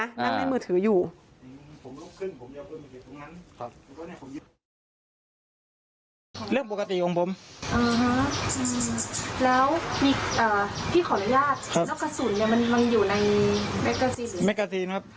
นั่งในมือถืออยู่ผมลุกขึ้นผมจะเอาปืนไปเก็บตรงนั้นครับ